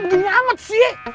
begini amat sih